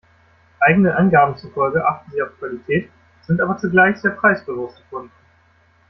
Eigenen Angaben zufolge achten sie auf Qualität, sind aber zugleich sehr preisbewusste Kunden.